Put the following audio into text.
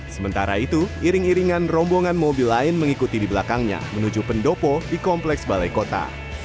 sementara itu iring iringan rombongan mobil lain mengikuti di belakangnya menuju pendopo di kompleks balai kota